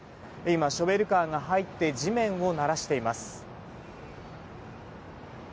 ショベルカーが入って地面をならしています。